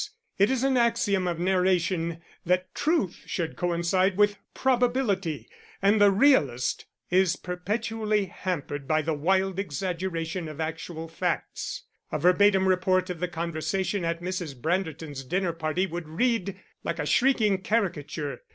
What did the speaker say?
It is an axiom of narration that truth should coincide with probability, and the realist is perpetually hampered by the wild exaggeration of actual facts; a verbatim report of the conversation at Mrs. Branderton's dinner party would read like a shrieking caricature.